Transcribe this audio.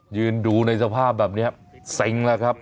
ยืนดูในสภาพแบบนี้เซ็งแล้วครับ